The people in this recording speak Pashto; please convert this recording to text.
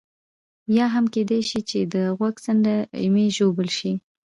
یا هم کېدای شي چې د غوږ څنډه مې ژوبل شي.